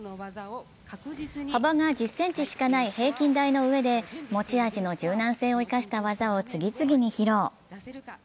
幅が１０ｃｍしかない平均台の上で持ち味の柔軟性を生かした技を次々に披露。